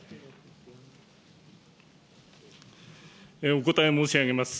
お答え申し上げます。